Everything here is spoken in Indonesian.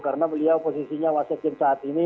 karena beliau posisinya wasiatim saat ini